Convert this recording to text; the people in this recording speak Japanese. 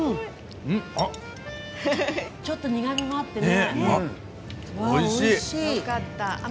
ちょっと苦みもあってね。